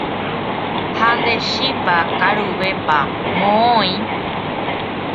Ha nde chipa kavurépa moõ oĩ.